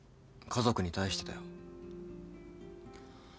家族に対してだよ。